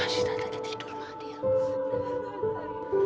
sita tadi tidur madhya